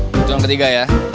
kejutan ketiga ya